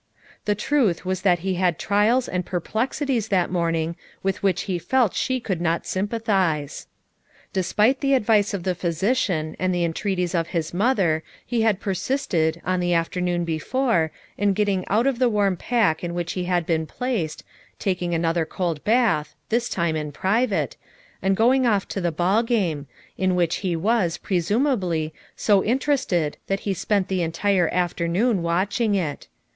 The truth was that he had trials and per plexities that morning, with which he felt she could not sympathize. Despite the advice of the physician and the entreaties of his mother he had persisted, on the afternoon before, in getting out of the warm pack in which he had been placed, taking an other cold bath — this time in private,— and go ing off to the ball game, in which he was, pre sumably, so interested that he spent the entire afternoon watching it.